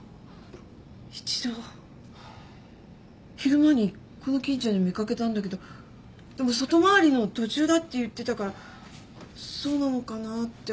一度昼間にこの近所で見掛けたんだけどでも外回りの途中だって言ってたからそうなのかなって思って。